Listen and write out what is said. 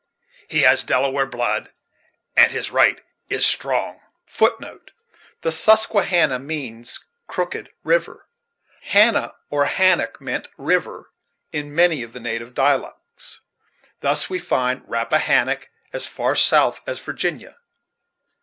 He has Delaware blood, and his right is strong. * The Susquehannah means crooked river; "hannah," or "hannock," meant river in many of the native dialects. Thus we find Rappahannock as far south as Virginia.